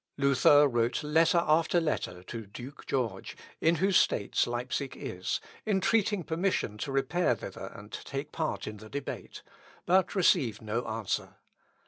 ] Luther wrote letter after letter to Duke George, in whose states Leipsic is, entreating permission to repair thither and take part in the debate, but received no answer.